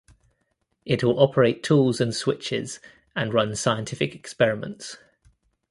It will operate tools and switches and run scientific experiments.